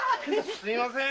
すみません。